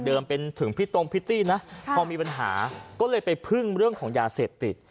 เป็นถึงพี่ตรงพิตตี้นะพอมีปัญหาก็เลยไปพึ่งเรื่องของยาเสพติด